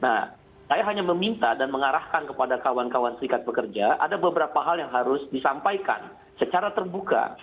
nah saya hanya meminta dan mengarahkan kepada kawan kawan serikat pekerja ada beberapa hal yang harus disampaikan secara terbuka